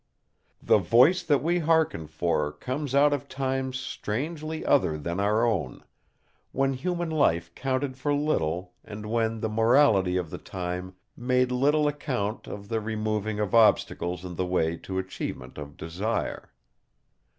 The voice that we hearken for comes out of times strangely other than our own; when human life counted for little, and when the morality of the time made little account of the removing of obstacles in the way to achievement of desire.